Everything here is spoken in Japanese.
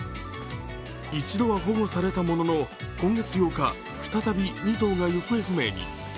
一度は保護されたものの今月８日、再び２頭が行方不明に。